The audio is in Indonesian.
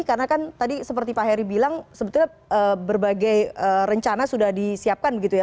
karena kan tadi seperti pak heri bilang sebetulnya berbagai rencana sudah disiapkan gitu ya